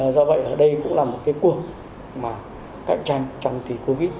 do vậy là đây cũng là một cái cuộc cạnh tranh trong tỷ covid